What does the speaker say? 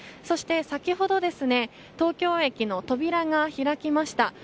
そして先ほど東京駅の扉が開きました。